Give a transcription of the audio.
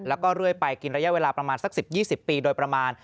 แล้วก็เรื่อยไปกินระยะเวลาประมาณสัก๑๐๒๐ปีโดยประมาณ